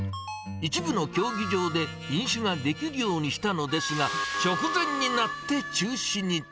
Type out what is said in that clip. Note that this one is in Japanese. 一部の競技場で飲酒ができるようにしたのですが、直前になって中止に。